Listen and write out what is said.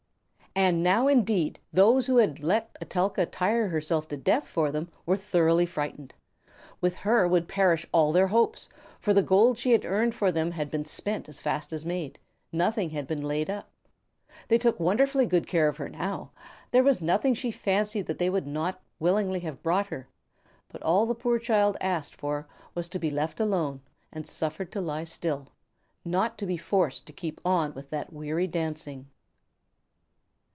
And now indeed those who had let Etelka tire herself to death for them were thoroughly frightened. With her would perish all their hopes, for the gold she had earned for them had been spent as fast as made; nothing had been laid up. They took wonderfully good care of her now. There was nothing she fancied that they would not willingly have brought her; but all the poor child asked for was to be left alone and suffered to lie still, not to be forced to keep on with that weary dancing!